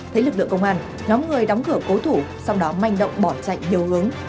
thấy lực lượng công an nhóm người đóng cửa cố thủ sau đó manh động bỏ chạy nhiều hướng